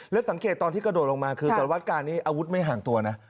แล้วสังเกตตอนที่กระโดดลงมาคือสารวัตกาลนี้อาวุธไม่ห่างตัวนะ